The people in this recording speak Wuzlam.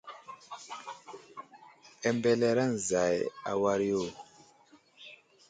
Ambelereŋ zay a war yo.